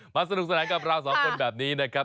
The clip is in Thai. สนุกสนานกับเราสองคนแบบนี้นะครับ